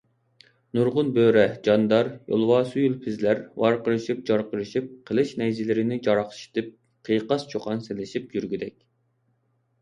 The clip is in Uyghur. نۇرغۇن بۆرە، جاندار، يولۋاسۇيىلپىزلار ۋاقىرىشىپ - جارقىرىشىپ، قىلىچ - نەيزىلىرىنى جاراقشىتىپ، قىيقاس - چۇقان سېلىشىپ يۈرگۈدەك.